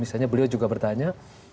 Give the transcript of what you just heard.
misalnya beliau juga bertanya